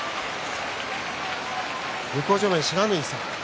向正面の不知火さん